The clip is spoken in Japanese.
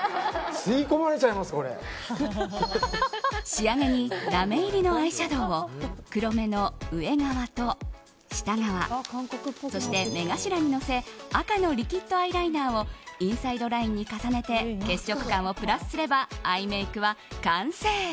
仕上げにラメ入りのアイシャドーを黒目の上側と下側そして目頭にのせ赤のリキッドアイライナーをインサイドラインに重ねて血色感をプラスすればアイメイクは完成。